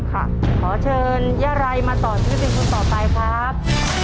ขอเชิญย่าไรมาต่อชีวิตเป็นคนต่อไปครับ